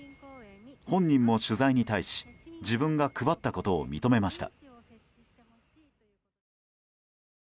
本人も、取材に対し自分が配ったことを認めました。